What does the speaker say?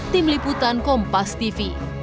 tim liputan kompas tv